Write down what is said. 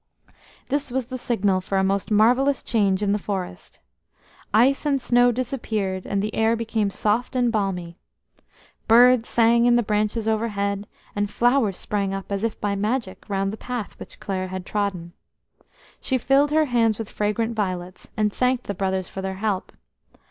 This was the signal for a most marvellous change in the forest. Ice and snow disappeared, and the air became soft and balmy. Birds sang in the branches overhead, and flowers sprang up as if by magic round the path which Clare had trodden. She filled her hands with fragrant violets, and thanked the brothers for their help.